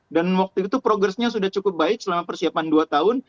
dan waktu itu progresnya sudah cukup baik selama persiapan dua tahun